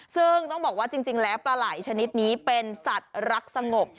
ซึ่งต้องบอกว่าจริงแล้วปลาไหล่ชนิดนี้เป็นสัตว์รักสงบ